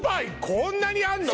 こんなにあんの？